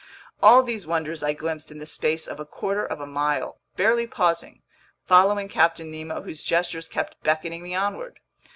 All these wonders I glimpsed in the space of a quarter of a mile, barely pausing, following Captain Nemo whose gestures kept beckoning me onward.